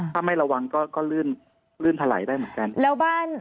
ถ้าไม่ระวังก็ลื่นถลายได้เหมือนกัน